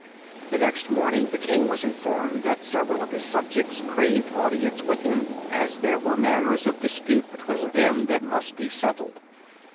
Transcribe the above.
The next morning the King was informed that several of his subjects craved audience with him, as there were matters of dispute between them that must be settled.